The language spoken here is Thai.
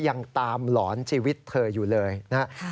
ยังตามหลอนชีวิตเธออยู่เลยนะครับ